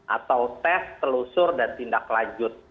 atau tes telusur dan tindak lanjut